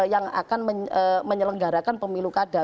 yang akan menyelenggarakan pemilu kada